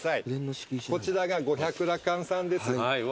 こちらが五百羅漢さんです。